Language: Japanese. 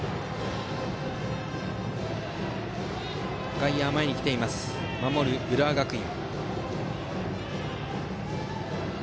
外野は前に来ています守る浦和学院。